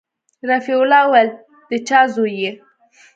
رفيع الله وويل د چا زوى يې.